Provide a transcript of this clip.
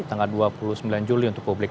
tanggal dua puluh sembilan juli untuk publik